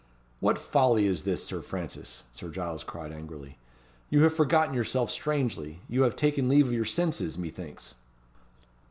"What folly is this, Sir Francis?" Sir Giles cried angrily. "You have forgotten yourself strangely, you have taken leave of your senses, methinks!"